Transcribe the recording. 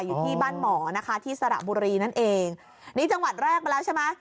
อยู่ที่บ้านหมอนะคะที่สระบุรีนั่นเองนี่จังหวัดแรกมาแล้วใช่ไหม